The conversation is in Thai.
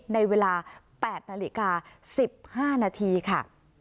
ในเวลา๘นาฬิกา๑๕นาทีค่ะ